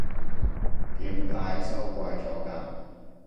點解收貴咗㗎？